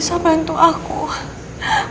sampai jumpa lagi